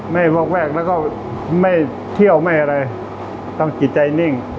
วอกแวกแล้วก็ไม่เที่ยวไม่อะไรต้องจิตใจนิ่ง